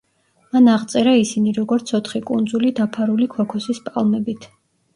მან აღწერა ისინი, როგორც ოთხი კუნძული დაფარული ქოქოსის პალმებით.